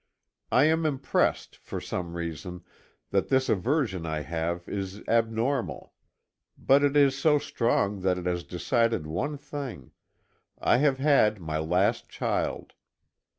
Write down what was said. I am impressed, for some reason, that this aversion I have is abnormal. But it is so strong that it has decided one thing: I have had my last child.